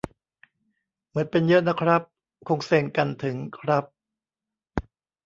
เหมือนเป็นเยอะนะครับ คงเซ็งกันถึง ครับ